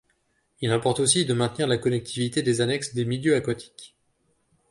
Il importe aussi de maintenir la connectivité des annexes des milieux aquatiques.